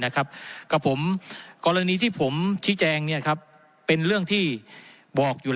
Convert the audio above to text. นะครับกับผมกรณีที่ผมชี้แจงเนี่ยครับเป็นเรื่องที่บอกอยู่